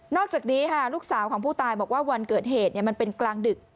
อกจากนี้ค่ะลูกสาวของผู้ตายบอกว่าวันเกิดเหตุมันเป็นกลางดึก